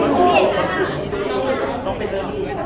ขอบคุณหนึ่งนะคะขอบคุณหนึ่งนะคะ